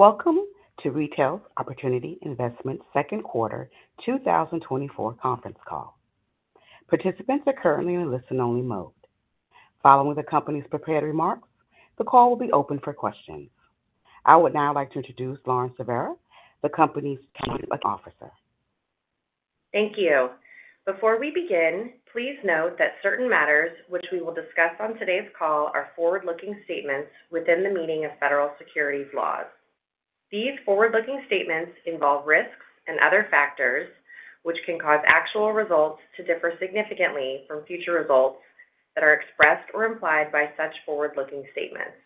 Welcome to Retail Opportunity Investments Q2 2024 conference call. Participants are currently in listen-only mode. Following the company's prepared remarks, the call will be open for questions. I would now like to introduce Lauren Silveira, the company's Chief Officer. Thank you. Before we begin, please note that certain matters which we will discuss on today's call are forward-looking statements within the meaning of federal securities laws. These forward-looking statements involve risks and other factors, which can cause actual results to differ significantly from future results that are expressed or implied by such forward-looking statements.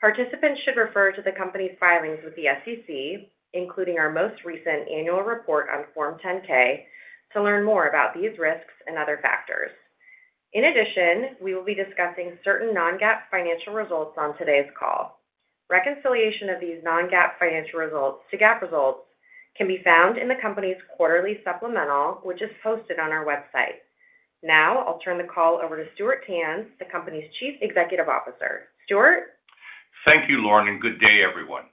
Participants should refer to the company's filings with the SEC, including our most recent annual report on Form 10-K, to learn more about these risks and other factors. In addition, we will be discussing certain non-GAAP financial results on today's call. Reconciliation of these non-GAAP financial results to GAAP results can be found in the company's quarterly supplemental, which is posted on our website. Now, I'll turn the call over to Stuart Tanz, the company's Chief Executive Officer. Stuart? Thank you, Lauren, and good day, everyone.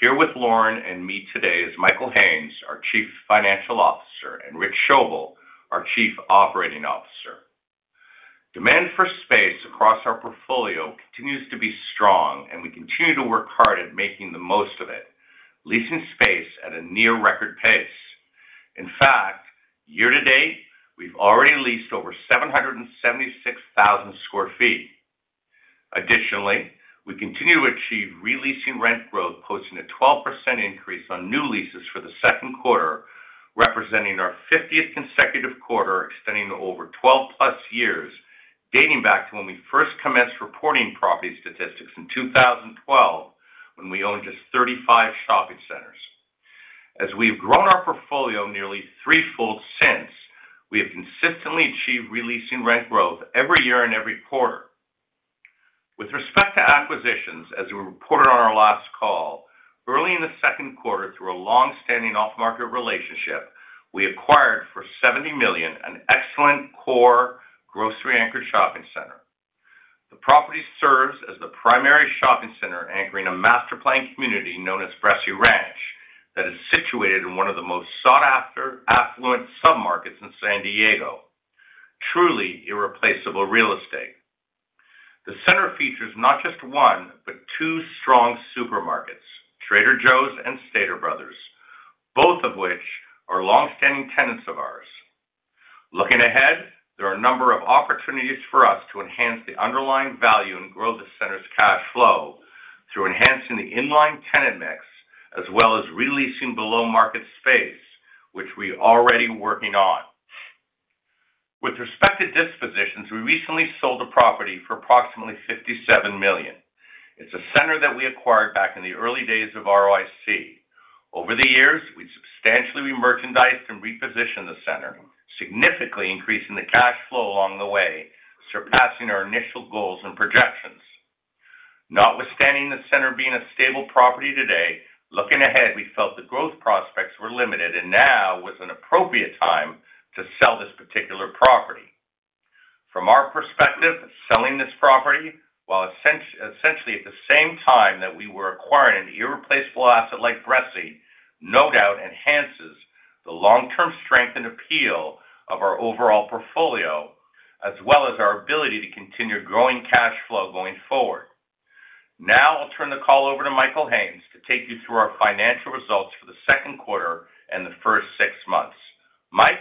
Here with Lauren and me today is Michael Haines, our Chief Financial Officer, and Rich Schoebel, our Chief Operating Officer. Demand for space across our portfolio continues to be strong, and we continue to work hard at making the most of it, leasing space at a near record pace. In fact, year to date, we've already leased over 776,000 sq ft. Additionally, we continue to achieve re-leasing rent growth, posting a 12% increase on new leases for the Q2, representing our 50th consecutive quarter, extending to over 12+ years, dating back to when we first commenced reporting property statistics in 2012, when we owned just 35 shopping centers. As we've grown our portfolio nearly threefold since, we have consistently achieved re-leasing rent growth every year and every quarter. With respect to acquisitions, as we reported on our last call, early in the Q2, through a long-standing off-market relationship, we acquired for $70 million an excellent core grocery anchor shopping center. The property serves as the primary shopping center, anchoring a master planned community known as Bressi Ranch, that is situated in one of the most sought after affluent submarkets in San Diego. Truly irreplaceable real estate. The center features not just one, but two strong supermarkets, Trader Joe's and Stater Bros., both of which are long-standing tenants of ours. Looking ahead, there are a number of opportunities for us to enhance the underlying value and grow the center's cash flow through enhancing the in-line tenant mix, as well as re-leasing below market space, which we are already working on. With respect to dispositions, we recently sold a property for approximately $57 million. It's a center that we acquired back in the early days of ROIC. Over the years, we've substantially remerchandised and repositioned the center, significantly increasing the cash flow along the way, surpassing our initial goals and projections. Notwithstanding the center being a stable property today, looking ahead, we felt the growth prospects were limited and now was an appropriate time to sell this particular property. From our perspective, selling this property, while essentially at the same time that we were acquiring an irreplaceable asset like Bressi, no doubt enhances the long-term strength and appeal of our overall portfolio, as well as our ability to continue growing cash flow going forward. Now, I'll turn the call over to Michael Haines to take you through our financial results for the Q2 and the first six months. Mike?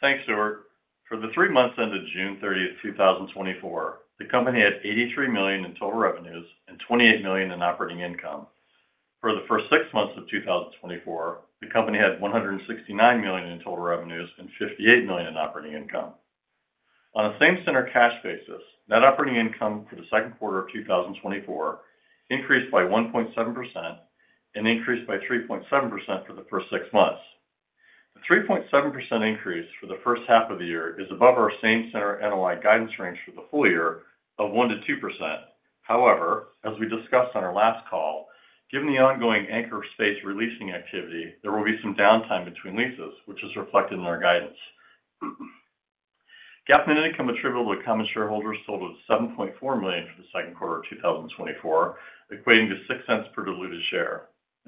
Thanks, Stuart. For the three months ended June 30, 2024, the company had $83 million in total revenues and $28 million in operating income. For the first six months of 2024, the company had $169 million in total revenues and $58 million in operating income. On a same-center cash basis, net operating income for the Q2 of 2024 increased by 1.7% and increased by 3.7% for the first six months. The 3.7% increase for the first half of the year is above our same-center NOI guidance range for the full year of 1%-2%. However, as we discussed on our last call, given the ongoing anchor space re-leasing activity, there will be some downtime between leases, which is reflected in our guidance. GAAP net income attributable to common shareholders totaled $7.4 million for the Q2 of 2024, equating to $0.06 per diluted share.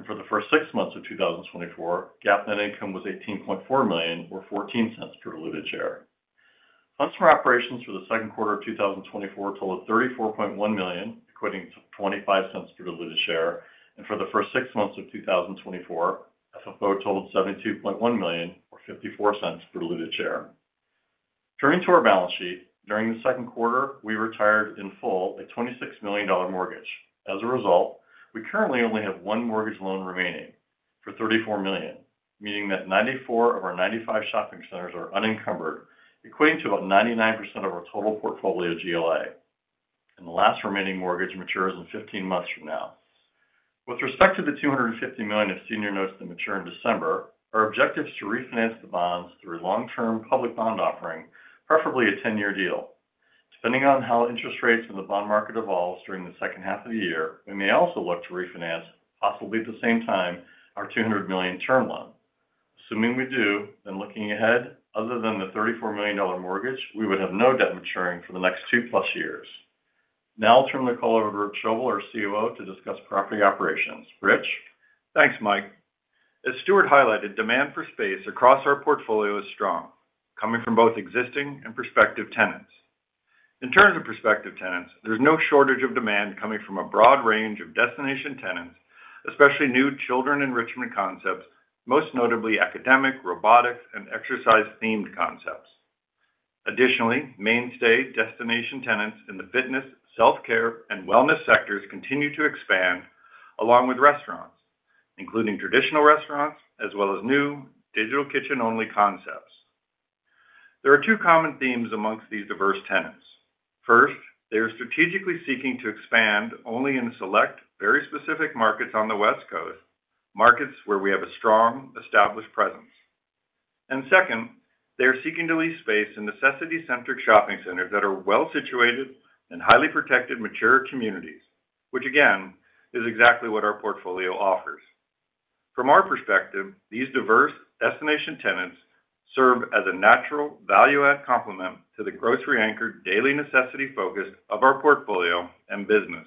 For the first six months of 2024, GAAP net income was $18.4 million or $0.14 per diluted share. Funds from operations for the Q2 of 2024 totaled $34.1 million, equating to $0.25 per diluted share, and for the first six months of 2024, FFO totaled $72.1 million or $0.54 per diluted share. Turning to our balance sheet, during the Q2, we retired in full a $26 million mortgage. As a result, we currently only have one mortgage loan remaining for $34 million, meaning that 94 of our 95 shopping centers are unencumbered, equating to about 99% of our total portfolio GLA, and the last remaining mortgage matures in 15 months from now. With respect to the $250 million of senior notes to mature in December, our objective is to refinance the bonds through long-term public bond offering, preferably a 10-year deal. Depending on how interest rates in the bond market evolves during the second half of the year, we may also look to refinance, possibly at the same time, our $200 million term loan. assuming we do, then looking ahead, other than the $34 million mortgage, we would have no debt maturing for the next 2+ years. Now I'll turn the call over to Rich Schoebel, our COO, to discuss property operations. Rich? Thanks, Mike. As Stuart highlighted, demand for space across our portfolio is strong, coming from both existing and prospective tenants. In terms of prospective tenants, there's no shortage of demand coming from a broad range of destination tenants, especially new children enrichment concepts, most notably academic, robotics, and exercise-themed concepts. Additionally, mainstay destination tenants in the fitness, self-care, and wellness sectors continue to expand, along with restaurants, including traditional restaurants as well as new digital kitchen-only concepts. There are two common themes amongst these diverse tenants. First, they are strategically seeking to expand only in select, very specific markets on the West Coast, markets where we have a strong, established presence. And second, they are seeking to lease space in necessity-centric shopping centers that are well-situated and highly protected, mature communities, which again, is exactly what our portfolio offers. From our perspective, these diverse destination tenants serve as a natural value-add complement to the grocery-anchored, daily necessity focus of our portfolio and business.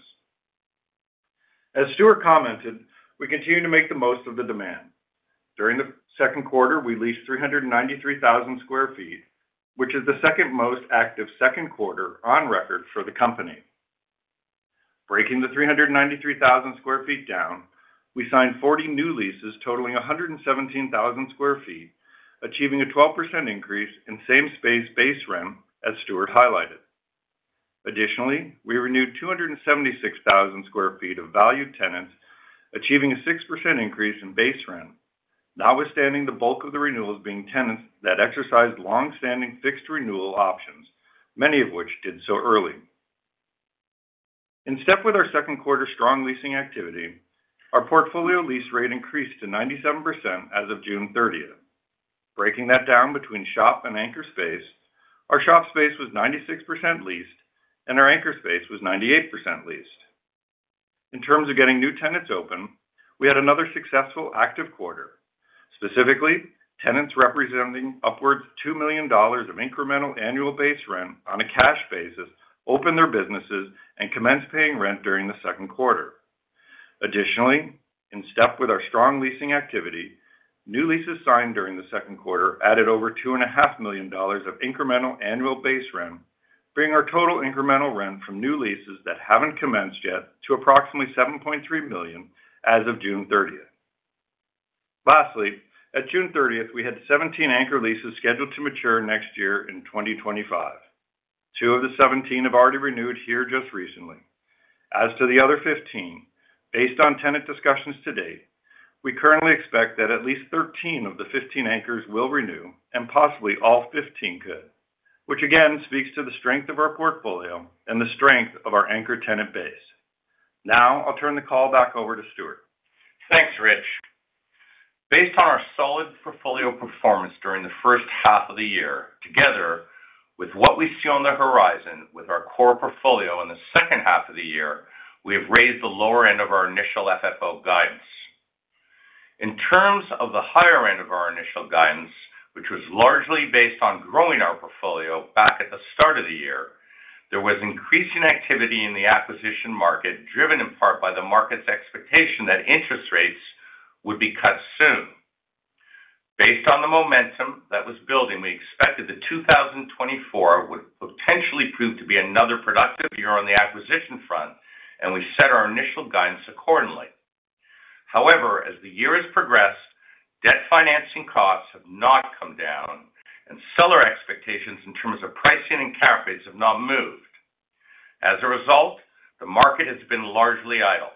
As Stuart commented, we continue to make the most of the demand. During the Q2, we leased 393,000 sq ft, which is the second-most active Q2 on record for the company. Breaking the 393,000 sq ft down, we signed 40 new leases totaling 117,000 sq ft, achieving a 12% increase in same-space base rent, as Stuart highlighted. Additionally, we renewed 276,000 sq ft of valued tenants, achieving a 6% increase in base rent, notwithstanding the bulk of the renewals being tenants that exercised long-standing fixed renewal options, many of which did so early. In step with our Q2 strong leasing activity, our portfolio lease rate increased to 97% as of June 30th. Breaking that down between shop and anchor space, our shop space was 96% leased, and our anchor space was 98% leased. In terms of getting new tenants open, we had another successful active quarter. Specifically, tenants representing upwards of $2 million of incremental annual base rent on a cash basis, opened their businesses and commenced paying rent during the Q2. Additionally, in step with our strong leasing activity, new leases signed during the Q2 added over $2.5 million of incremental annual base rent, bringing our total incremental rent from new leases that haven't commenced yet to approximately $7.3 million as of June 30th. Lastly, at June 30th, we had 17 anchor leases scheduled to mature next year in 2025. Two of the 17 have already renewed here just recently. As to the other 15, based on tenant discussions to date, we currently expect that at least 13 of the 15 anchors will renew, and possibly all 15 could, which again, speaks to the strength of our portfolio and the strength of our anchor tenant base. Now, I'll turn the call back over to Stuart. Thanks, Rich. Based on our solid portfolio performance during the first half of the year, together with what we see on the horizon with our core portfolio in the second half of the year, we have raised the lower end of our initial FFO guidance. In terms of the higher end of our initial guidance, which was largely based on growing our portfolio back at the start of the year, there was increasing activity in the acquisition market, driven in part by the market's expectation that interest rates would be cut soon. Based on the momentum that was building, we expected that 2024 would potentially prove to be another productive year on the acquisition front, and we set our initial guidance accordingly. However, as the year has progressed, debt financing costs have not come down, and seller expectations in terms of pricing and cap rates have not moved. As a result, the market has been largely idle.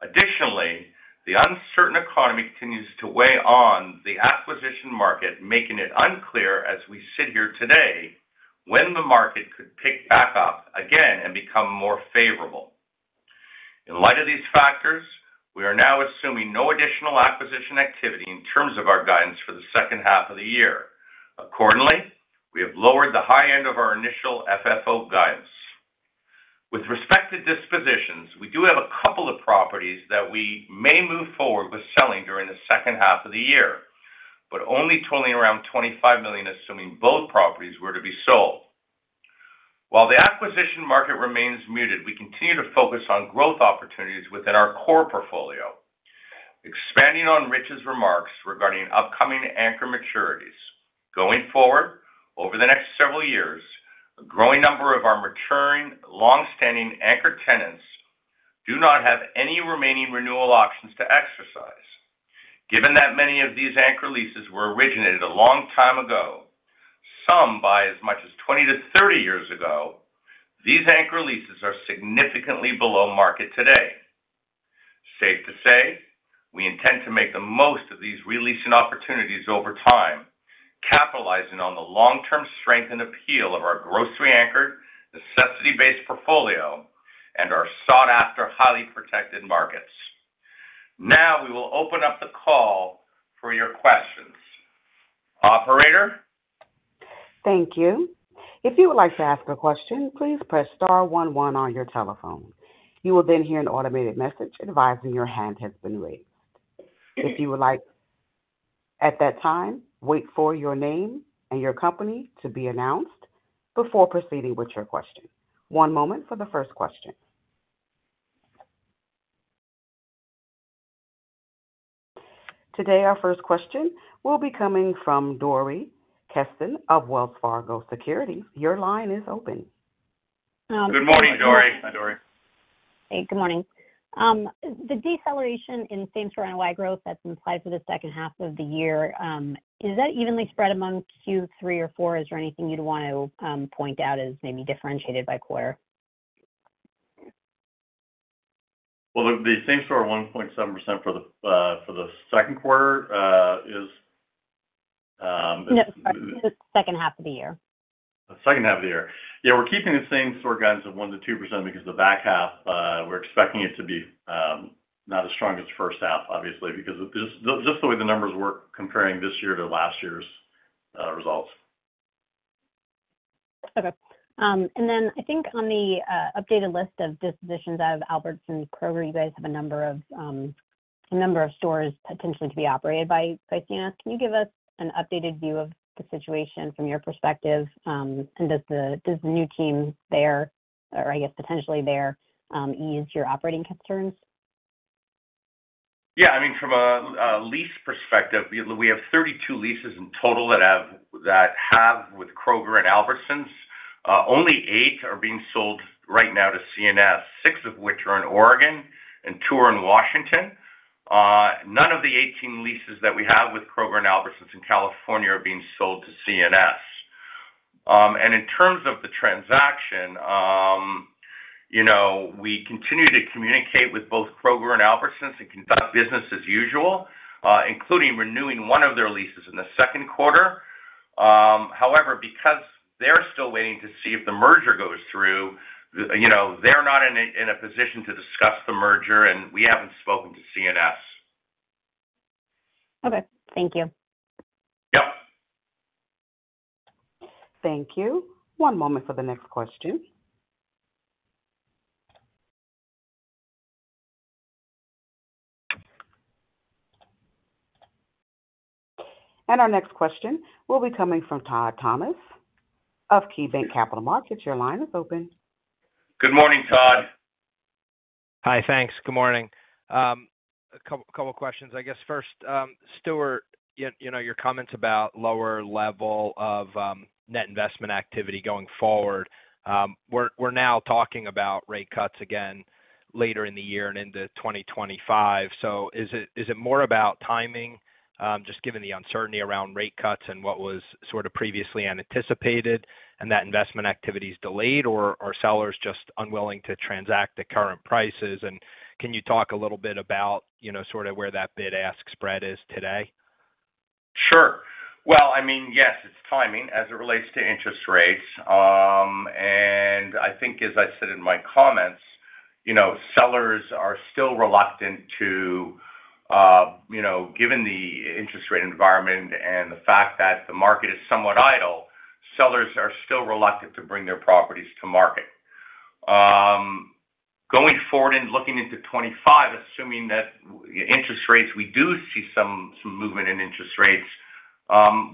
Additionally, the uncertain economy continues to weigh on the acquisition market, making it unclear as we sit here today, when the market could pick back up again and become more favorable. In light of these factors, we are now assuming no additional acquisition activity in terms of our guidance for the second half of the year. Accordingly, we have lowered the high end of our initial FFO guidance. With respect to dispositions, we do have a couple of properties that we may move forward with selling during the second half of the year, but only totaling around $25 million, assuming both properties were to be sold. While the acquisition market remains muted, we continue to focus on growth opportunities within our core portfolio. Expanding on Rich's remarks regarding upcoming anchor maturities, going forward, over the next several years, a growing number of our maturing, long-standing anchor tenants do not have any remaining renewal options to exercise. Given that many of these anchor leases were originated a long time ago, some by as much as 20-30 years ago, these anchor leases are significantly below market today. Safe to say, we intend to make the most of these re-leasing opportunities over time, capitalizing on the long-term strength and appeal of our grocery-anchored, necessity-based portfolio and our sought-after, highly protected markets. Now, we will open up the call for your questions. Operator? Thank you. If you would like to ask a question, please press star one one on your telephone. You will then hear an automated message advising your hand has been raised. If you would like, at that time, wait for your name and your company to be announced before proceeding with your question. One moment for the first question. Today, our first question will be coming from Dori Kesten of Wells Fargo Securities. Your line is open. Good morning, Dori. Hi, Dori. Hey, good morning. The deceleration in same-store NOI growth that's implied for the second half of the year, is that evenly spread among Q3 or 4? Is there anything you'd want to point out as maybe differentiated by quarter? Well, the same store, 1.7% for the Q2, is- No, sorry, the second half of the year. The second half of the year. Yeah, we're keeping the same store guides of 1%-2% because the back half, we're expecting it to be not as strong as first half, obviously, because of this, just, just the way the numbers work, comparing this year to last year's results. Okay. And then I think on the updated list of dispositions out of Albertsons and Kroger, you guys have a number of stores potentially to be operated by CNS. Can you give us an updated view of the situation from your perspective, and does the new team there, or I guess potentially there, ease your operating concerns? Yeah, I mean, from a lease perspective, we have 32 leases in total that have with Kroger and Albertsons. Only eight are being sold right now to CNS, six of which are in Oregon and two are in Washington. None of the 18 leases that we have with Kroger and Albertsons in California are being sold to CNS. And in terms of the transaction, you know, we continue to communicate with both Kroger and Albertsons and conduct business as usual, including renewing one of their leases in the Q2. However, because they're still waiting to see if the merger goes through, you know, they're not in a position to discuss the merger, and we haven't spoken to CNS. Okay, thank you. Yep. Thank you. One moment for the next question. Our next question will be coming from Todd Thomas of KeyBanc Capital Markets. Your line is open. Good morning, Todd. Hi, thanks. Good morning. A couple questions, I guess. First, Stuart, you know, your comments about lower level of net investment activity going forward. We're now talking about rate cuts again later in the year and into 2025. So is it more about timing, just given the uncertainty around rate cuts and what was sort of previously anticipated and that investment activity is delayed, or are sellers just unwilling to transact at current prices? And can you talk a little bit about, you know, sort of where that bid-ask spread is today? Sure. Well, I mean, yes, it's timing as it relates to interest rates. And I think as I said in my comments, you know, sellers are still reluctant to, you know, given the interest rate environment and the fact that the market is somewhat idle, sellers are still reluctant to bring their properties to market. Going forward and looking into 2025, assuming that interest rates, we do see some movement in interest rates,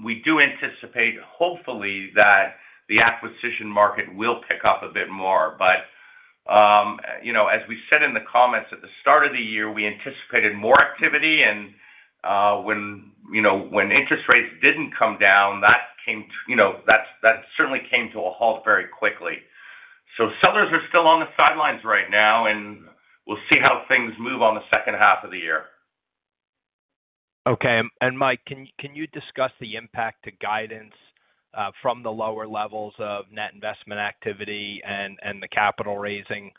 we do anticipate, hopefully, that the acquisition market will pick up a bit more. But, you know, as we said in the comments at the start of the year, we anticipated more activity and, when, you know, when interest rates didn't come down, that came, you know, that, that certainly came to a halt very quickly. Sellers are still on the sidelines right now, and we'll see how things move on the second half of the year. Okay. Mike, can you discuss the impact to guidance from the lower levels of net investment activity and the capital raising,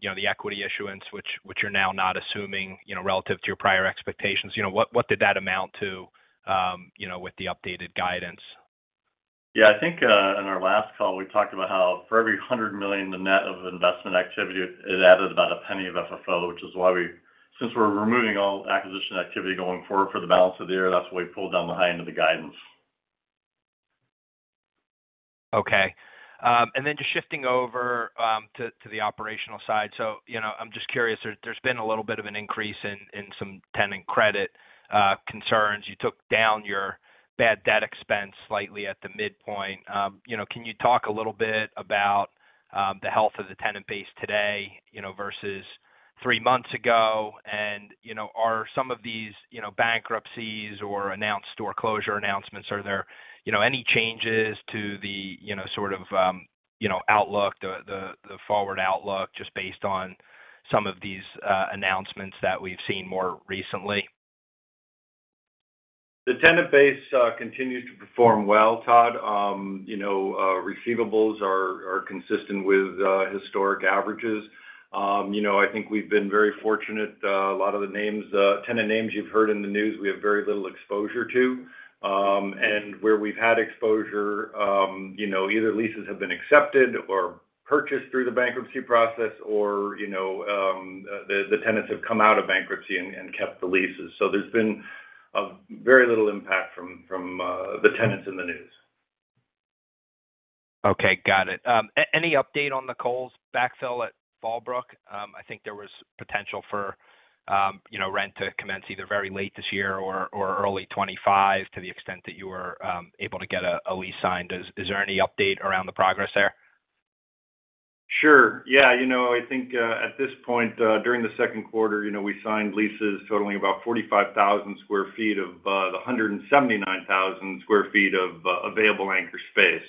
you know, the equity issuance, which you're now not assuming, you know, relative to your prior expectations? You know, what did that amount to, you know, with the updated guidance? Yeah, I think, in our last call, we talked about how for every $100 million, the net of investment activity, it added about a penny of FFO, which is why, since we're removing all acquisition activity going forward for the balance of the year, that's why we pulled down the high end of the guidance. Okay, and then just shifting over to the operational side. So, you know, I'm just curious, there, there's been a little bit of an increase in some tenant credit concerns. You took down your bad debt expense slightly at the midpoint. You know, can you talk a little bit about the health of the tenant base today, you know, versus three months ago? And, you know, are some of these, you know, bankruptcies or announced store closure announcements, are there, you know, any changes to the, you know, sort of, outlook, the forward outlook, just based on some of these announcements that we've seen more recently? The tenant base continues to perform well, Todd. You know, receivables are consistent with historic averages. You know, I think we've been very fortunate. A lot of the names, tenant names you've heard in the news, we have very little exposure to. And where we've had exposure, you know, either leases have been accepted or purchased through the bankruptcy process or, you know, the tenants have come out of bankruptcy and kept the leases. So there's been a very little impact from the tenants in the news. Okay, got it. Any update on the Kohl's backfill at Fallbrook? I think there was potential for, you know, rent to commence either very late this year or early 2025, to the extent that you were able to get a lease signed. Is there any update around the progress there? Sure. Yeah, you know, I think, at this point, during the Q2, you know, we signed leases totaling about 45,000 sq ft of the 179,000 sq ft of available anchor space.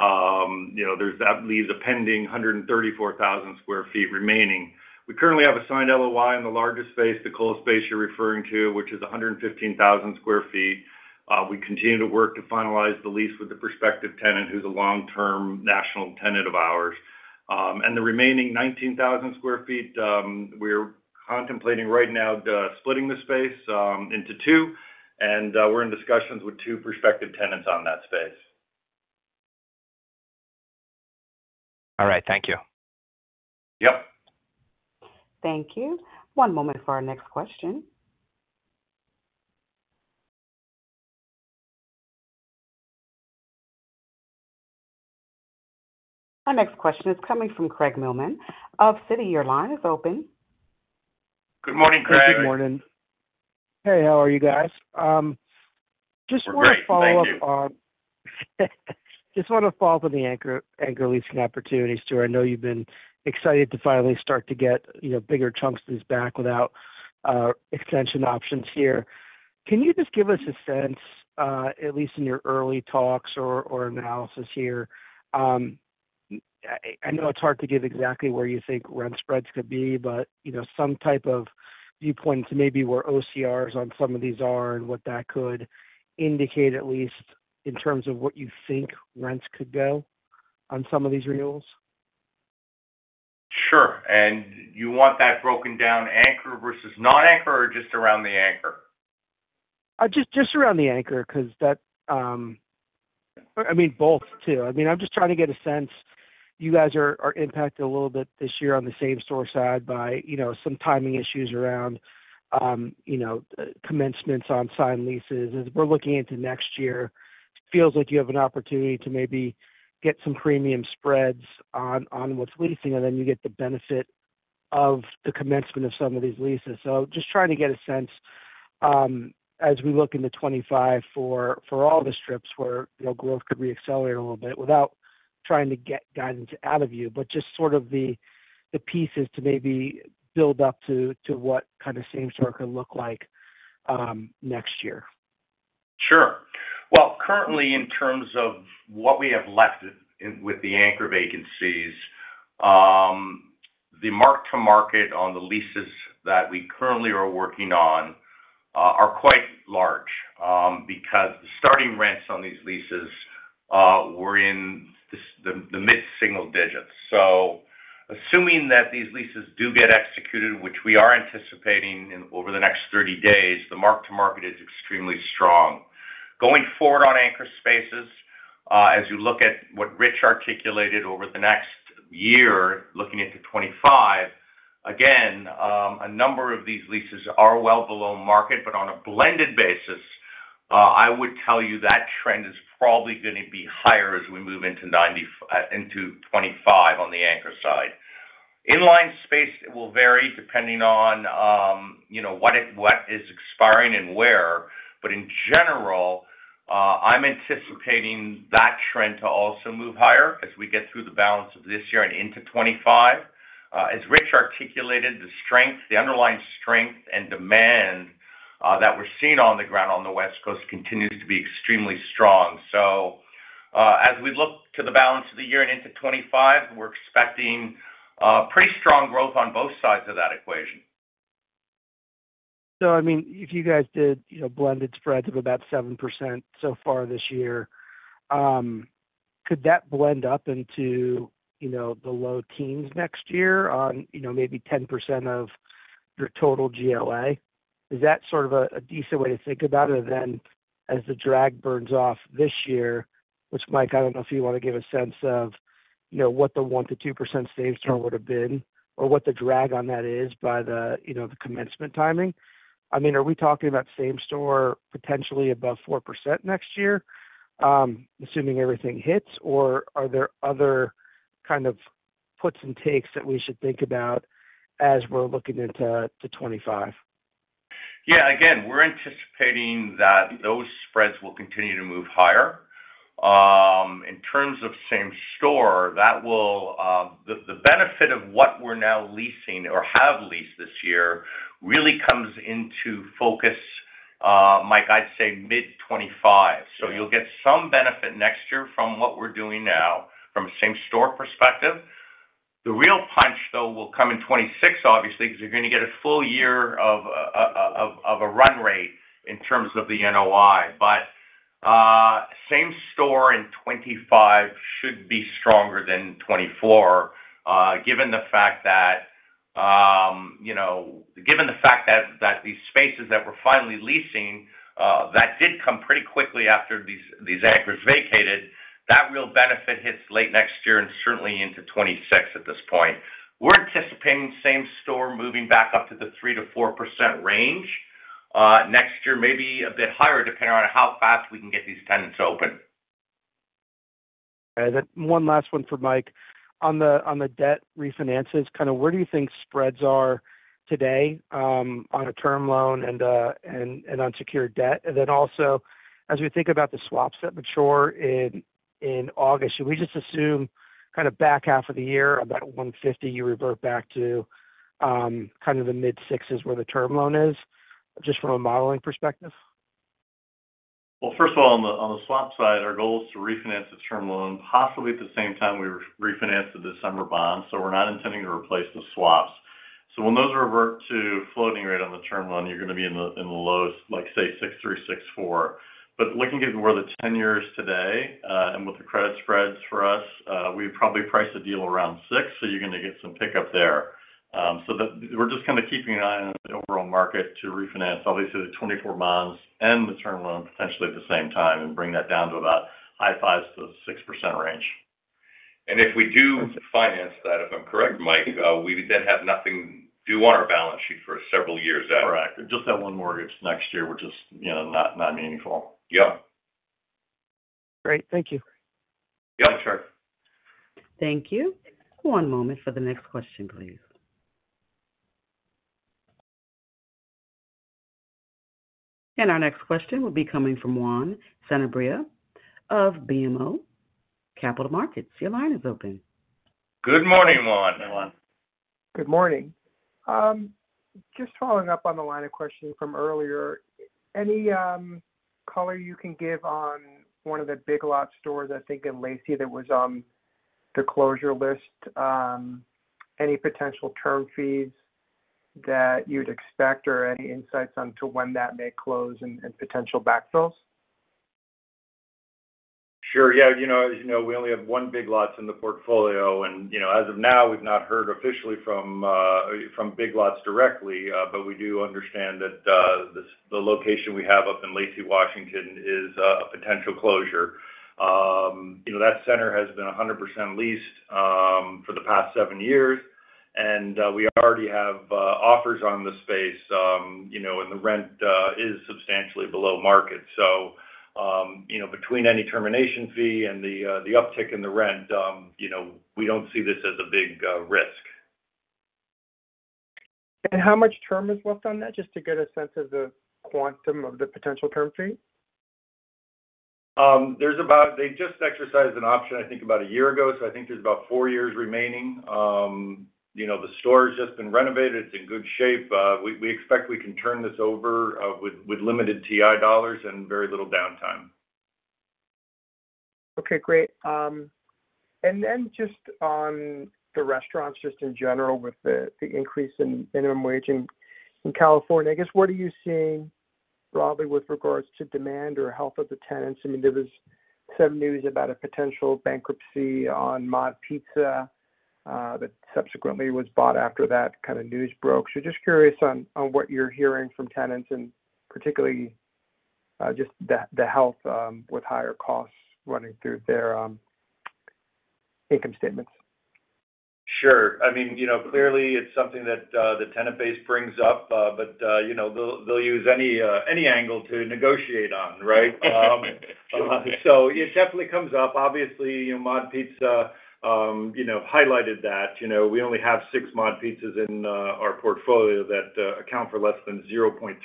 You know, that leaves a pending 134,000 sq ft remaining. We currently have a signed LOI in the largest space, the Kohl's space you're referring to, which is a 115,000 sq ft. We continue to work to finalize the lease with the prospective tenant, who's a long-term national tenant of ours. And the remaining 19,000 sq ft, we're contemplating right now, splitting the space into two, and we're in discussions with two prospective tenants on that space. All right. Thank you. Yep. Thank you. One moment for our next question. Our next question is coming from Craig Mailman of Citi. Your line is open. Good morning, Craig. Good morning. Hey, how are you guys? Just want to follow up on- We're great. Thank you. Just want to follow up on the anchor, anchor leasing opportunity, Stuart. I know you've been excited to finally start to get, you know, bigger chunks of these back without, extension options here. Can you just give us a sense, at least in your early talks or analysis here... I know it's hard to give exactly where you think rent spreads could be, but, you know, some type of viewpoint to maybe where OCRs on some of these are, and what that could indicate, at least in terms of what you think rents could go on some of these renewals? Sure. And you want that broken down anchor versus non-anchor, or just around the anchor? Just, just around the anchor, because that, I mean, both, too. I mean, I'm just trying to get a sense. You guys are, are impacted a little bit this year on the same store side by, you know, some timing issues around, you know, commencements on signed leases. As we're looking into next year, it feels like you have an opportunity to maybe get some premium spreads on, on what's leasing, and then you get the benefit of the commencement of some of these leases. So just trying to get a sense, as we look into 2025 for, for all the strips where, you know, growth could reaccelerate a little bit without trying to get guidance out of you, but just sort of the, the pieces to maybe build up to, to what kind of same store could look like, next year. Sure. Well, currently, in terms of what we have left in with the anchor vacancies, the mark-to-market on the leases that we currently are working on, are quite large, because the starting rents on these leases, were in the mid-single digits. So assuming that these leases do get executed, which we are anticipating in over the next 30 days, the mark-to-market is extremely strong. Going forward on anchor spaces, as you look at what Rich articulated over the next year, looking into 2025, again, a number of these leases are well below market, but on a blended basis, I would tell you that trend is probably gonna be higher as we move into 90 into 2025 on the anchor side. Inline space, it will vary depending on, you know, what it-- what is expiring and where, but in general, I'm anticipating that trend to also move higher as we get through the balance of this year and into 2025. As Rich articulated, the strength, the underlying strength and demand, that we're seeing on the ground on the West Coast continues to be extremely strong. So, as we look to the balance of the year and into 2025, we're expecting, pretty strong growth on both sides of that equation. So I mean, if you guys did, you know, blended spreads of about 7% so far this year, could that blend up into, you know, the low teens next year on, you know, maybe 10% of your total GLA? Is that sort of a decent way to think about it than as the drag burns off this year, which, Mike, I don't know if you want to give a sense of, you know, what the 1%-2% same store would have been, or what the drag on that is by the, you know, the commencement timing? I mean, are we talking about same store potentially above 4% next year, assuming everything hits, or are there other kind of puts and takes that we should think about as we're looking into 2025? Yeah, again, we're anticipating that those spreads will continue to move higher. In terms of same store, that will... The benefit of what we're now leasing or have leased this year really comes into focus, Mike, I'd say mid 2025. So you'll get some benefit next year from what we're doing now from a same store perspective. The real punch, though, will come in 2026, obviously, because you're gonna get a full year of a run rate in terms of the NOI. But same store in 2025 should be stronger than 2024, given the fact that... You know, given the fact that these spaces that we're finally leasing that did come pretty quickly after these anchors vacated, that real benefit hits late next year and certainly into 2026 at this point. We're anticipating same store moving back up to the 3%-4% range next year, maybe a bit higher, depending on how fast we can get these tenants open. And then one last one for Mike. On the debt refinances, kind of where do you think spreads are today, on a term loan and unsecured debt? And then also, as we think about the swaps that mature in August, should we just assume kind of back half of the year, about 150, you revert back to, kind of the mid-sixes where the term loan is, just from a modeling perspective? Well, first of all, on the swap side, our goal is to refinance the term loan, possibly at the same time we re-refinance the December bonds, so we're not intending to replace the swaps. So when those revert to floating rate on the term loan, you're gonna be in the lows, like, say, 6.3, 6.4. But looking at where the 10-year is today, and with the credit spreads for us, we probably price a deal around 6, so you're gonna get some pickup there. So we're just kind of keeping an eye on the overall market to refinance, obviously, the 2024 bonds and the term loan potentially at the same time and bring that down to about high 5s to 6% range. If we do finance that, if I'm correct, Mike, we then have nothing due on our balance sheet for several years after. Correct. Just that one mortgage next year, which is, you know, not meaningful. Yeah. Great. Thank you. Yeah, sure. Thank you. One moment for the next question, please. And our next question will be coming from Juan Sanabria of BMO Capital Markets. Your line is open. Good morning, Juan. Hey, Juan. Good morning. Just following up on the line of questioning from earlier, any color you can give on one of the Big Lots stores, I think, in Lacey, that was on the closure list? Any potential term fees that you'd expect or any insights onto when that may close and, and potential backfills? Sure. Yeah, you know, as you know, we only have one Big Lots in the portfolio, and, you know, as of now, we've not heard officially from Big Lots directly, but we do understand that the location we have up in Lacey, Washington, is a potential closure. You know, that center has been 100% leased for the past seven years, and we already have offers on the space, you know, and the rent is substantially below market. So, you know, between any termination fee and the uptick in the rent, you know, we don't see this as a big risk. How much term is left on that, just to get a sense of the quantum of the potential term fee? There's about... They just exercised an option, I think, about a year ago, so I think there's about four years remaining. You know, the store has just been renovated. It's in good shape. We expect we can turn this over, with limited TI dollars and very little downtime. Okay, great. And then just on the restaurants, just in general, with the increase in minimum wage in California, I guess, what are you seeing, broadly with regards to demand or health of the tenants? I mean, there was some news about a potential bankruptcy on MOD Pizza that subsequently was bought after that kind of news broke. So just curious on what you're hearing from tenants and particularly just the health with higher costs running through their income statements. Sure. I mean, you know, clearly it's something that, the tenant base brings up, but, you know, they'll, they'll use any, any angle to negotiate on, right? So it definitely comes up. Obviously, MOD Pizza, you know, highlighted that. You know, we only have six MOD Pizzas in, our portfolio that, account for less than 0.3%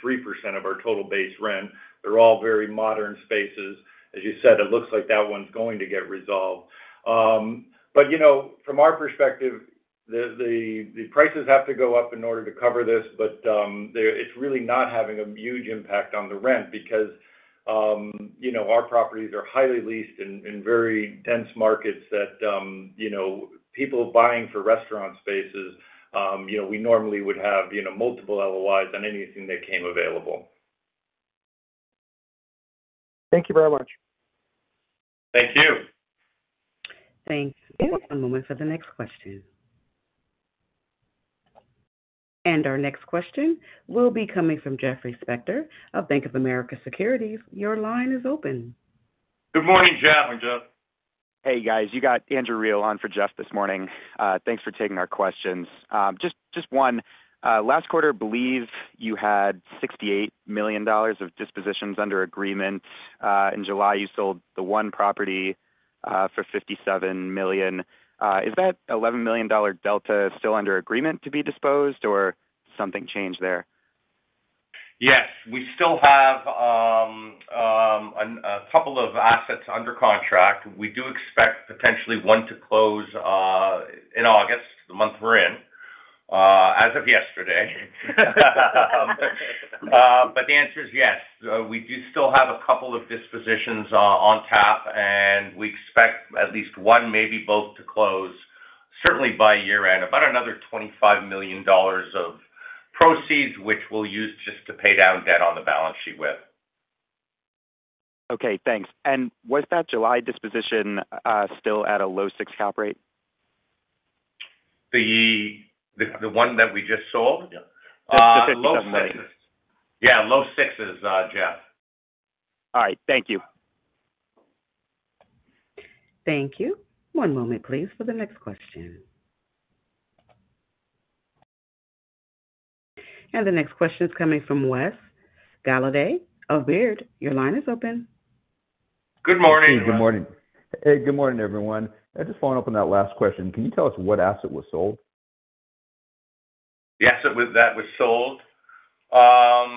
of our total base rent. They're all very modern spaces. As you said, it looks like that one's going to get resolved. But you know, from our perspective, the, the, the prices have to go up in order to cover this, but, they... It's really not having a huge impact on the rent because, you know, our properties are highly leased and in very dense markets that, you know, people buying for restaurant spaces, you know, we normally would have, you know, multiple LOIs on anything that came available. Thank you very much. Thank you. Thanks. One moment for the next question. Our next question will be coming from Jeffrey Spector of Bank of America Securities. Your line is open. Good morning, Jeff. Morning, Jeff. Hey, guys. You got Andrew Reale on for Jeff this morning. Thanks for taking our questions. Just, just one. Last quarter, I believe you had $68 million of dispositions under agreement. In July, you sold the one property for $57 million. Is that $11 million dollar delta still under agreement to be disposed or something changed there? Yes, we still have a couple of assets under contract. We do expect potentially one to close in August, the month we're in, as of yesterday. But the answer is yes. We do still have a couple of dispositions on tap, and we expect at least one, maybe both, to close certainly by year-end, about another $25 million of proceeds, which we'll use just to pay down debt on the balance sheet with. Okay, thanks. And was that July disposition still at a low six Cap Rate? The one that we just sold? Yeah. Low sixes. Yeah, low sixes, Jeff. All right. Thank you. Thank you. One moment, please, for the next question. And the next question is coming from Wes Golladay of Baird. Your line is open. Good morning. Good morning. Hey, good morning, everyone. I just want to open that last question. Can you tell us what asset was sold? The asset was that was sold? The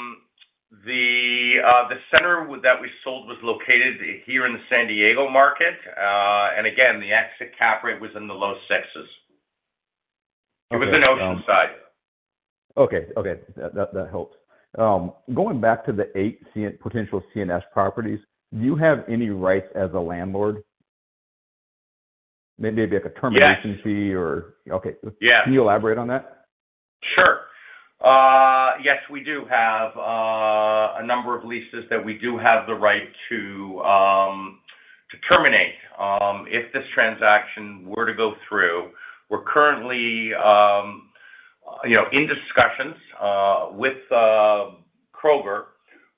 center that we sold was located here in the San Diego market. And again, the exit cap rate was in the low sixes. Okay, um- It was in Oceanside. Okay, okay. That, that helps. Going back to the eight potential CNS properties, do you have any rights as a landlord? Maybe, maybe like a termination fee or- Yes. Okay. Yeah. Can you elaborate on that? Sure. Yes, we do have a number of leases that we do have the right to to terminate if this transaction were to go through. We're currently, you know, in discussions with Kroger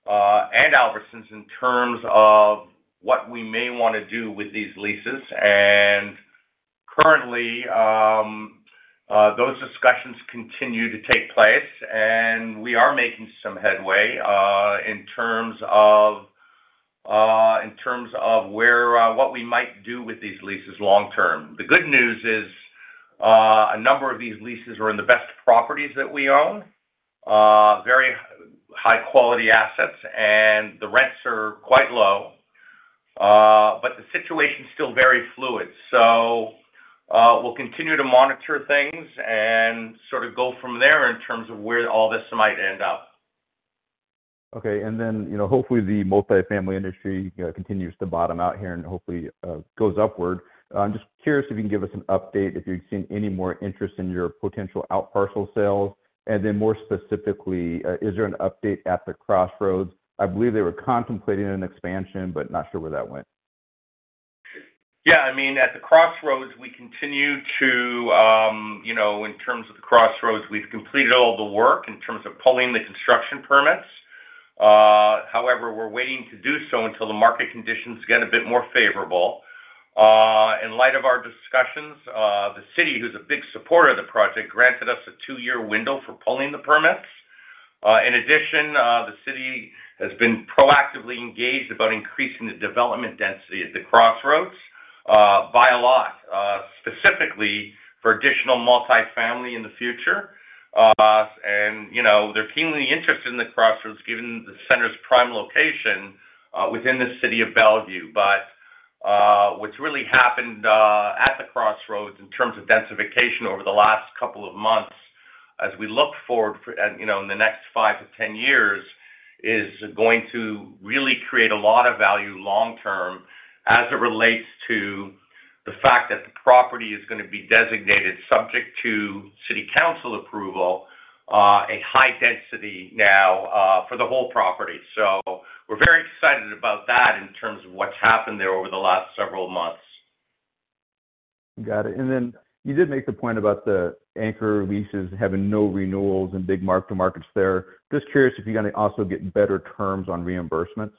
and Albertsons in terms of what we may want to do with these leases. Currently, those discussions continue to take place, and we are making some headway in terms of in terms of where what we might do with these leases long term. The good news is, a number of these leases are in the best properties that we own, very high quality assets, and the rents are quite low, but the situation is still very fluid. So, we'll continue to monitor things and sort of go from there in terms of where all this might end up. Okay. And then, you know, hopefully the multifamily industry, you know, continues to bottom out here and hopefully goes upward. I'm just curious if you can give us an update, if you've seen any more interest in your potential out parcel sales. And then more specifically, is there an update at the Crossroads? I believe they were contemplating an expansion, but not sure where that went. Yeah, I mean, at the Crossroads, we continue to, you know, in terms of the Crossroads, we've completed all the work in terms of pulling the construction permits. However, we're waiting to do so until the market conditions get a bit more favorable. In light of our discussions, the city, who's a big supporter of the project, granted us a two-year window for pulling the permits. In addition, the city has been proactively engaged about increasing the development density at the Crossroads, by a lot, specifically for additional multifamily in the future. And, you know, they're keenly interested in the Crossroads, given the center's prime location within the city of Bellevue. But, what's really happened, at the Crossroads in terms of densification over the last couple of months, as we look forward for, and, you know, in the next 5 to 10 years, is going to really create a lot of value long term as it relates to the fact that the property is gonna be designated subject to city council approval, a high density now, for the whole property. So we're very excited about that in terms of what's happened there over the last several months. Got it. And then you did make the point about the anchor leases having no renewals and big mark to markets there. Just curious if you're gonna also get better terms on reimbursements.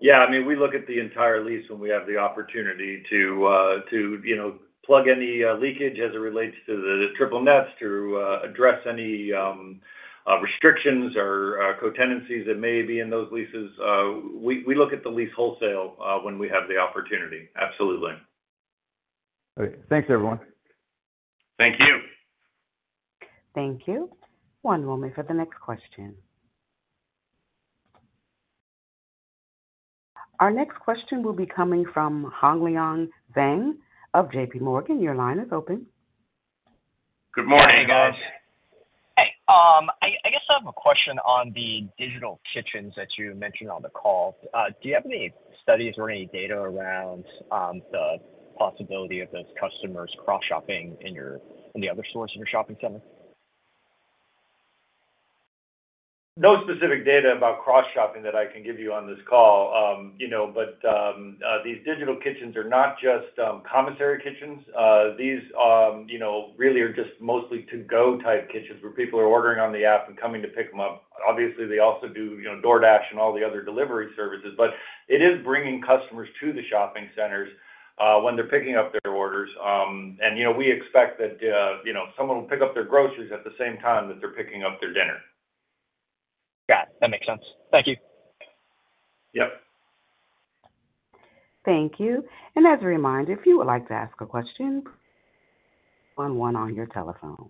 Yeah, I mean, we look at the entire lease when we have the opportunity to, you know, plug any leakage as it relates to the triple nets, to address any restrictions or co-tenancies that may be in those leases. We look at the lease wholesale when we have the opportunity. Absolutely. Great. Thanks, everyone. Thank you. Thank you. One moment for the next question. Our next question will be coming from Hongliang Zhang of JPMorgan. Your line is open. Good morning. Hey, guys. Hey, I guess I have a question on the digital kitchens that you mentioned on the call. Do you have any studies or any data around the possibility of those customers cross-shopping in your, in the other stores in your shopping center? No specific data about cross-shopping that I can give you on this call. You know, but these digital kitchens are not just commissary kitchens. These, you know, really are just mostly to-go type kitchens, where people are ordering on the app and coming to pick them up. Obviously, they also do, you know, DoorDash and all the other delivery services, but it is bringing customers to the shopping centers when they're picking up their orders. And, you know, we expect that, you know, someone will pick up their groceries at the same time that they're picking up their dinner. Got it. That makes sense. Thank you. Yep. Thank you. As a reminder, if you would like to ask a question, one one on your telephone.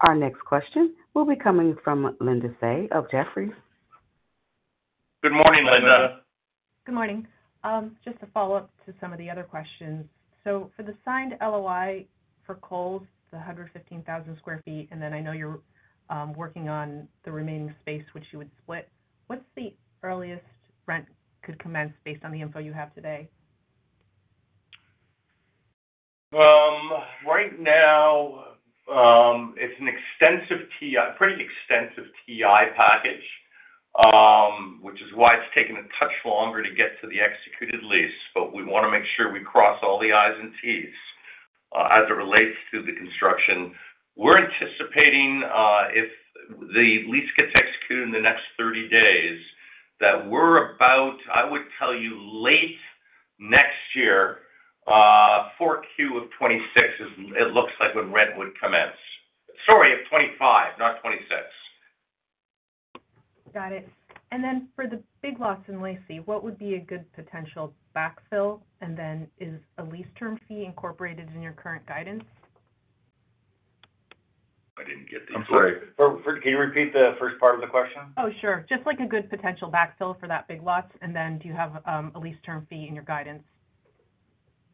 Our next question will be coming from Linda Tsai of Jefferies. Good morning, Linda. Good morning. Just to follow up to some of the other questions. So for the signed LOI for Kohl's, the 115,000 sq ft, and then I know you're working on the remaining space, which you would split. What's the earliest rent could commence based on the info you have today? Right now, it's an extensive TI, a pretty extensive TI package, which is why it's taking a touch longer to get to the executed lease. But we wanna make sure we cross all the I's and T's, as it relates to the construction. We're anticipating, if the lease gets executed in the next 30 days, that we're about, I would tell you, late next year, Q4 of 2026, is it looks like when rent would commence. Sorry, of 2025, not 2026. Got it. And then for the Big Lots in Lacey, what would be a good potential backfill? And then, is a lease term fee incorporated in your current guidance? I didn't get it. I'm sorry. Can you repeat the first part of the question? Oh, sure. Just like a good potential backfill for that Big Lots, and then do you have a lease term fee in your guidance?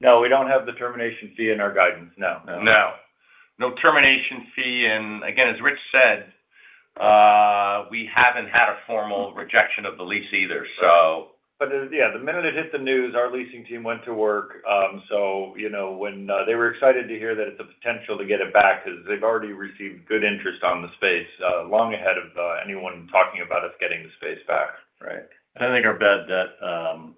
No, we don't have the termination fee in our guidance, no, no. No. No termination fee, and again, as Rich said, we haven't had a formal rejection of the lease either, so... But, yeah, the minute it hit the news, our leasing team went to work. So, you know, when they were excited to hear that it's a potential to get it back, 'cause they've already received good interest on the space, long ahead of anyone talking about us getting the space back. Right. And I think our bet that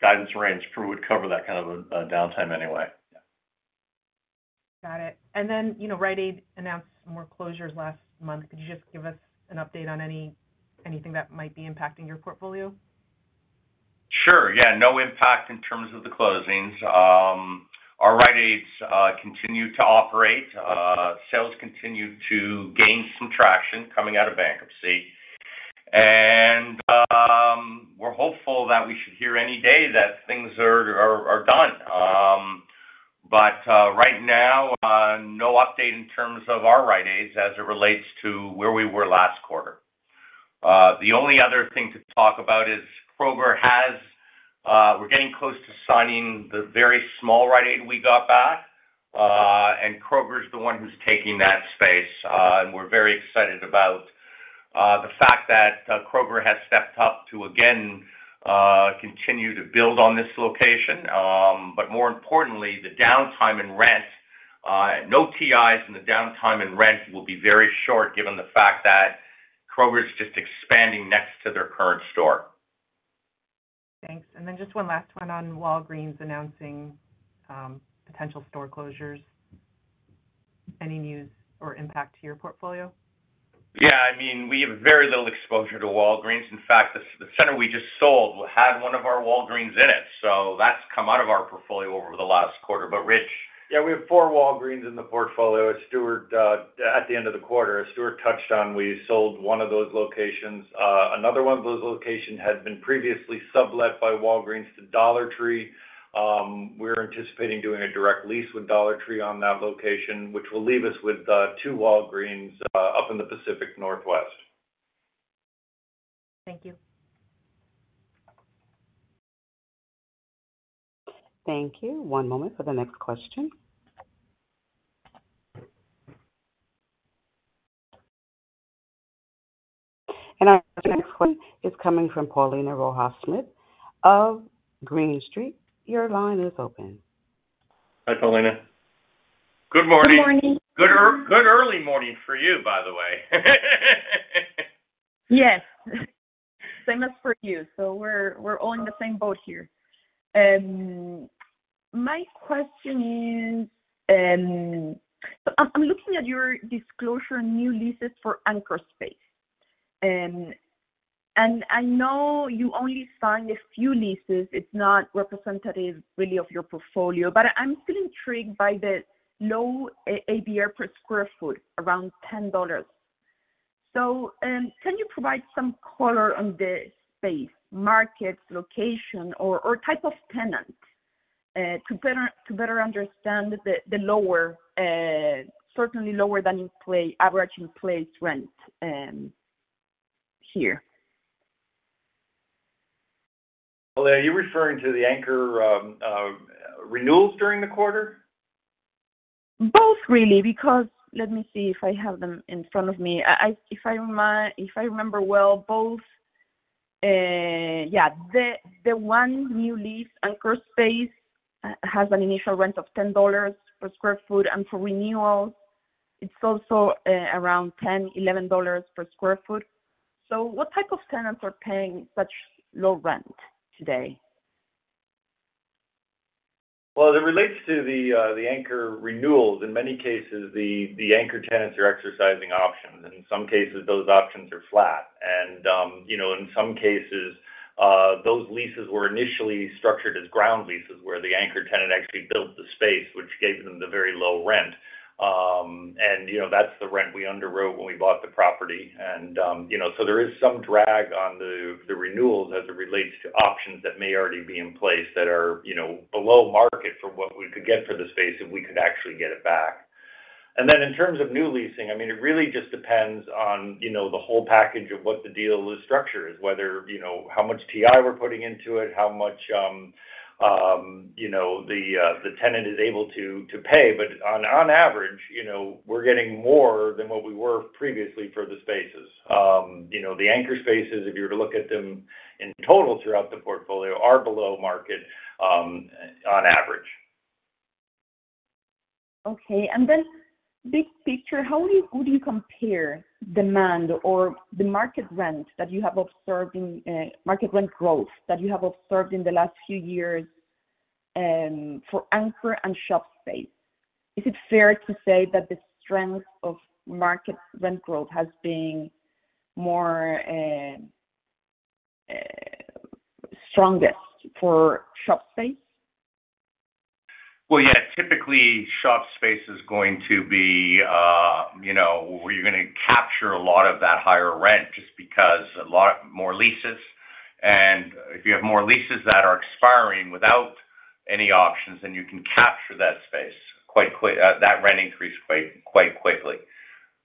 guidance range through would cover that kind of downtime anyway. Yeah. Got it. And then, you know, Rite Aid announced more closures last month. Could you just give us an update on anything that might be impacting your portfolio? Sure, yeah. No impact in terms of the closings. Our Rite Aids continue to operate. Sales continue to gain some traction coming out of bankruptcy. And, we're hopeful that we should hear any day that things are done. But, right now, no update in terms of our Rite Aids as it relates to where we were last quarter. The only other thing to talk about is Kroger has-- we're getting close to signing the very small Rite Aid we got back, and Kroger's the one who's taking that space. And we're very excited about the fact that, Kroger has stepped up to, again, continue to build on this location. More importantly, the downtime in rent, no TIs and the downtime in rent will be very short, given the fact that Kroger is just expanding next to their current store. Thanks. And then just one last one on Walgreens announcing, potential store closures. Any news or impact to your portfolio? Yeah, I mean, we have very little exposure to Walgreens. In fact, the center we just sold had one of our Walgreens in it, so that's come out of our portfolio over the last quarter. But Rich? Yeah, we have four Walgreens in the portfolio. As Stuart... At the end of the quarter, as Stuart touched on, we sold one of those locations. Another one of those locations had been previously sublet by Walgreens to Dollar Tree. We're anticipating doing a direct lease with Dollar Tree on that location, which will leave us with two Walgreens up in the Pacific Northwest. Thank you. Thank you. One moment for the next question. Our next question is coming from Paulina Rojas Schmidt of Green Street. Your line is open. Hi, Paulina. Good morning. Good morning. Good early morning for you, by the way. Yes, same as for you, so we're all in the same boat here. My question is, I'm looking at your disclosure, new leases for anchor space. I know you only signed a few leases. It's not representative really of your portfolio, but I'm still intrigued by the low ABR per sq ft, around $10. So, can you provide some color on the space, markets, location, or type of tenant, to better understand the lower, certainly lower than in-place average in-place rent, here? Paulina, are you referring to the anchor renewals during the quarter? Both, really, because... Let me see if I have them in front of me. If I remember well, both. Yeah, the one new lease anchor space has an initial rent of $10 per sq ft, and for renewal, it's also around $10-$11 per sq ft. So what type of tenants are paying such low rent today? Well, as it relates to the anchor renewals, in many cases, the anchor tenants are exercising options, and in some cases, those options are flat. And, you know, in some cases, those leases were initially structured as ground leases, where the anchor tenant actually built the space, which gave them the very low rent. And, you know, that's the rent we underwrote when we bought the property. And, you know, so there is some drag on the renewals as it relates to options that may already be in place that are, you know, below market for what we could get for the space if we could actually get it back. And then in terms of new leasing, I mean, it really just depends on, you know, the whole package of what the deal was structured, whether, you know, how much TI we're putting into it, how much you know the tenant is able to pay. But on average, you know, we're getting more than what we were previously for the spaces. You know, the anchor spaces, if you were to look at them in total throughout the portfolio, are below market on average. Okay, and then big picture, how would you, would you compare demand or the market rent that you have observed in, market rent growth, that you have observed in the last few years, for anchor and shop space? Is it fair to say that the strength of market rent growth has been more, strongest for shop space? Well, yeah, typically, shop space is going to be, you know, where you're gonna capture a lot of that higher rent, just because a lot more leases. And if you have more leases that are expiring without any options, then you can capture that space quite quick, that rent increase quite, quite quickly.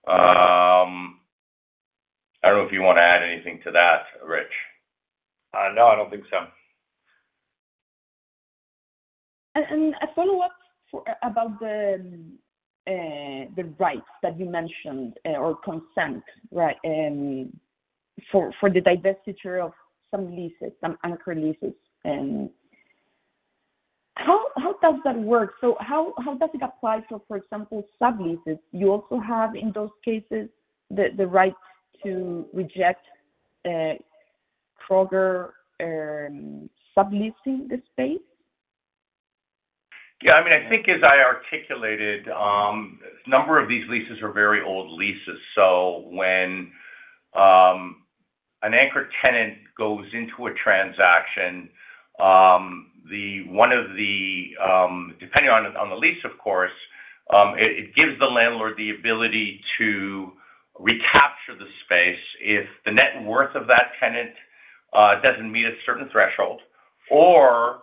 I don't know if you wanna add anything to that, Rich. No, I don't think so. A follow-up about the rights that you mentioned or consent, right, for the divestiture of some leases, some anchor leases, and how does that work? So how does it apply for example, subleases? You also have, in those cases, the rights to reject Kroger subleasing the space? Yeah, I mean, I think as I articulated, a number of these leases are very old leases, so when an anchor tenant goes into a transaction, depending on the lease, of course, it gives the landlord the ability to recapture the space if the net worth of that tenant doesn't meet a certain threshold, or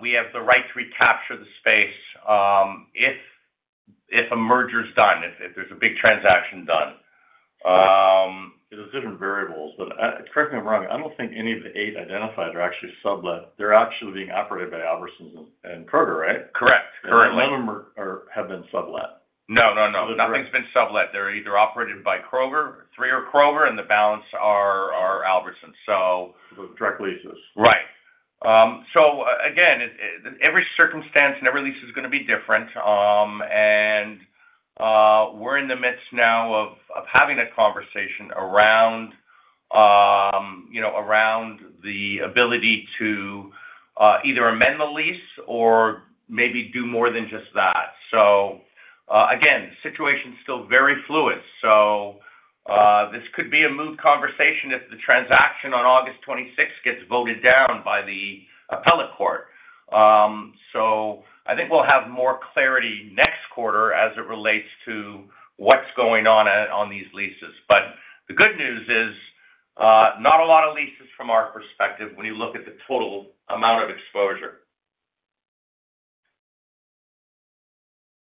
we have the right to recapture the space, if a merger is done, if there's a big transaction done. There's different variables, but, correct me if I'm wrong, I don't think any of the eight identified are actually sublet. They're actually being operated by Albertsons and Kroger, right? Correct. Currently. None of them are, have been sublet? No, no, no. Nothing's been sublet. They're either operated by Kroger, 3 are Kroger, and the balance are Albertsons, so- Direct leases. Right. So every circumstance and every lease is gonna be different. And we're in the midst now of having a conversation around, you know, around the ability to either amend the lease or maybe do more than just that. So again, the situation is still very fluid, so this could be a moot conversation if the transaction on August 26th gets voted down by the appellate court. So I think we'll have more clarity next quarter as it relates to what's going on on these leases. But the good news is, not a lot of leases from our perspective when you look at the total amount of exposure.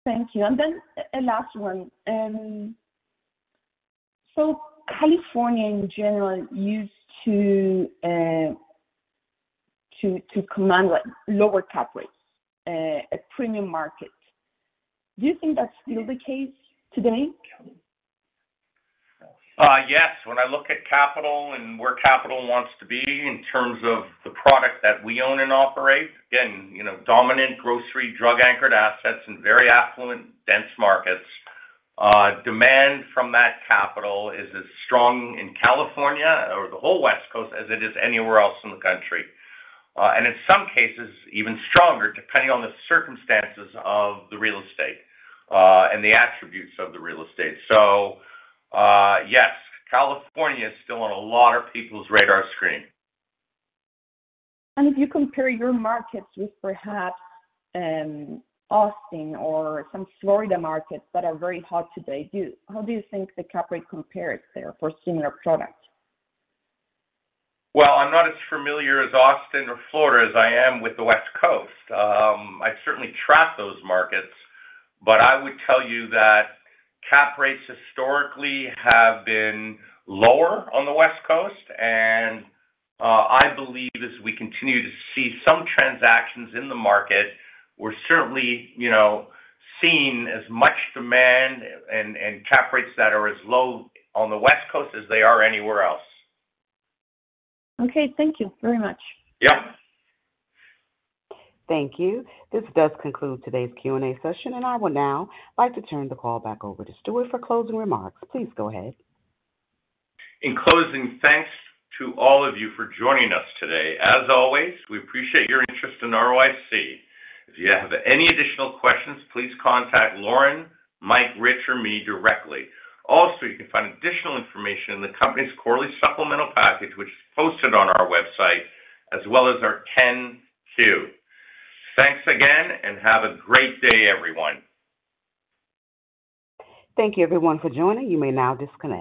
Thank you. And then a last one. So California in general used to command like lower cap rates, a premium market. Do you think that's still the case today? Yes. When I look at capital and where capital wants to be in terms of the product that we own and operate, again, you know, dominant grocery, drug anchored assets in very affluent, dense markets, demand from that capital is as strong in California or the whole West Coast as it is anywhere else in the country. And in some cases, even stronger, depending on the circumstances of the real estate, and the attributes of the real estate. So, yes, California is still on a lot of people's radar screen. If you compare your markets with perhaps Austin or some Florida markets that are very hot today, how do you think the cap rate compares there for similar products? Well, I'm not as familiar with Austin or Florida as I am with the West Coast. I certainly track those markets, but I would tell you that cap rates historically have been lower on the West Coast, and I believe as we continue to see some transactions in the market, we're certainly, you know, seeing as much demand and cap rates that are as low on the West Coast as they are anywhere else. Okay. Thank you very much. Yeah. Thank you. This does conclude today's Q&A session, and I would now like to turn the call back over to Stuart for closing remarks. Please go ahead. In closing, thanks to all of you for joining us today. As always, we appreciate your interest in ROIC. If you have any additional questions, please contact Lauren, Mike, Rich, or me directly. Also, you can find additional information in the company's quarterly supplemental package, which is posted on our website, as well as our 10-Q. Thanks again, and have a great day, everyone. Thank you, everyone, for joining. You may now disconnect.